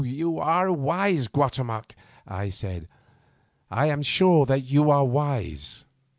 "You are wise, Guatemoc," I said. "I am sure that you are wise."